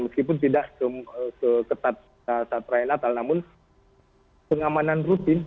meskipun tidak seketat saat perayaan natal namun pengamanan rutin